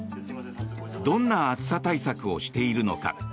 どんな暑さ対策をしているのか。